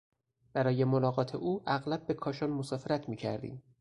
برای ملاقات او اغلب به کاشان مسافرت میکردیم.